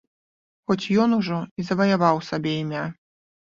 Хоць ён ужо і заваяваў сабе імя.